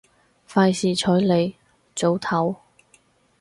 費事睬你，早唞